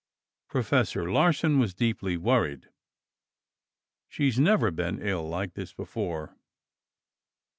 Professor Larsen was deeply worried. "She's never been ill like this before."